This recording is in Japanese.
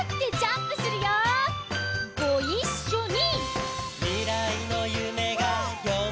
ごいっしょに！